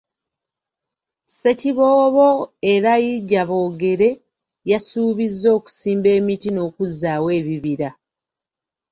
Ssekiboobo Elijah Boogere yasuubizza okusimba emiti n’okuzzaawo ebibira.